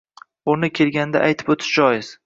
O‘rni kelganida aytib o‘tish joiz